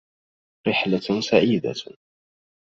رحلة سعيدة